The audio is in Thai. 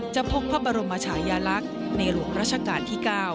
พบพระบรมชายาลักษณ์ในหลวงราชการที่๙